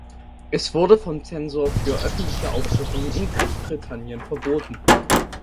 Es wurde vom Zensor für öffentliche Aufführungen in Großbritannien verboten.